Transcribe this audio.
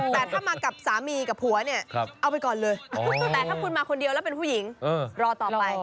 แต่ถ้ามากับสามีกับผัวเนี่ยเอาไปก่อนเลยแต่ถ้าคุณมาคนเดียวแล้วเป็นผู้หญิงรอต่อไป